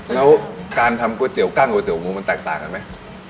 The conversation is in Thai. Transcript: แล้วการทำก๋วยเตี๋กั้งก๋วเตี๋งูมันแตกต่างกันไหม